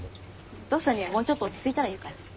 お父さんにはもうちょっと落ち着いたら言うから。